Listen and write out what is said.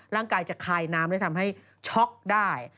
ร่างกายจะคายน้ำและทำให้ช็อกได้